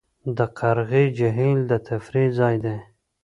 د قرغې جهیل د تفریح ځای دی